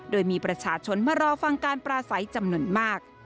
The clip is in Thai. โดยมีประชาชนมารอฟังการปราศัยจำนวนมาก